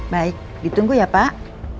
baik ditunggu ya pak